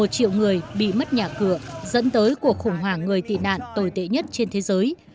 một triệu người bị mất nhà cửa dẫn tới cuộc khủng hoảng người tị nạn tồi tệ nhất trên thế giới